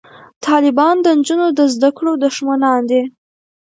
طالبان د نجونو د زده کړو دښمنان دي